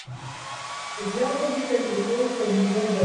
J’ai entendu quelque chose comme une voix d’homme…